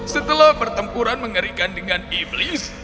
setelah pertempuran mengerikan dengan iblis